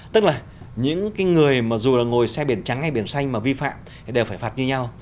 tức là những người mà dù là ngồi xe biển trắng hay biển xanh mà vi phạm thì đều phải phạt như nhau